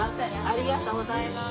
ありがとうございます。